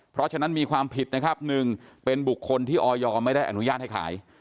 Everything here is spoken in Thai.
เพราะฉะนั้นมีความผิดนะครับ๑เป็นบุคคลที่ออยไม่ได้อนุญาตให้ขาย